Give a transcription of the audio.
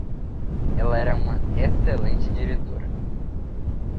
Ela era uma excelente diretora